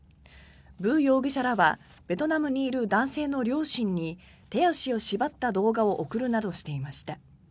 ブ容疑者らはベトナムにいる男性の両親に手足を縛った動画を送るなどしていました。